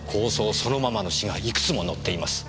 そのままの詩がいくつも載っています。